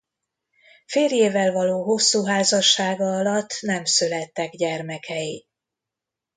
Férjével való hosszú házassága alatt nem születtek gyermekei.